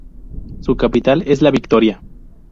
Su capital es La Victoria.